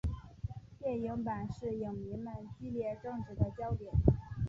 电影版是影迷们激烈争执的焦点。